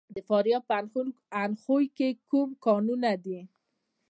د فاریاب په اندخوی کې کوم کانونه دي؟